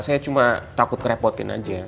saya cuma takut ngerepotin aja